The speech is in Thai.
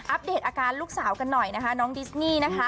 เดตอาการลูกสาวกันหน่อยนะคะน้องดิสนี่นะคะ